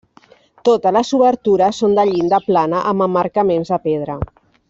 Totes les obertures són de llinda plana amb emmarcaments de pedra.